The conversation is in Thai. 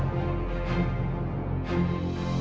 ตอนต่อไป